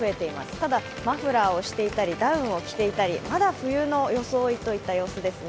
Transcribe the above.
ただ、マフラーをしていたり、ダウンを着ていたり、まだ冬の装いといった様子ですね。